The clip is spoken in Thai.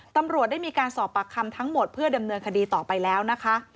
ตำรวจได้มีการสอบปากคำทั้งหมดเพื่อดำเนินคดีต่อไปแล้วนะคะ